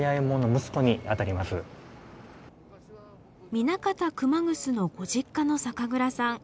南方熊楠のご実家の酒蔵さん。